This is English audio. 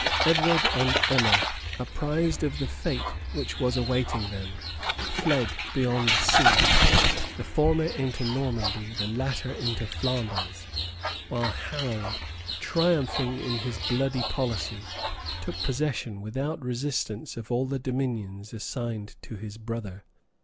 [*] Edward and Emma, apprised of the fate which was awaiting them, fled beyond sea, the former into Normandy, the latter into Flanders; while Harold, triumphing in his bloody policy, took possession, without resistance, of all the dominions assigned to his brother.